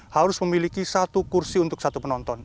harus memiliki satu kursi untuk satu penonton